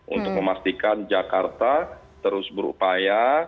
untuk memastikan jakarta terus berupaya